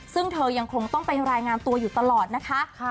ซึ่งเธอยังคงต้องไปรายงานตัวอยู่ตลอดนะคะ